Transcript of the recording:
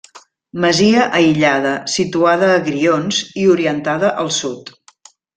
Masia aïllada, situada a Grions, i orientada al sud.